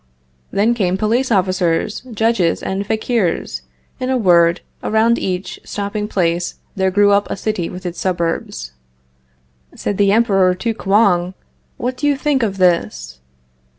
Then came police officers, judges and fakirs; in a word, around each stopping place there grew up a city with its suburbs. Said the Emperor to Kouang: "What do you think of this?"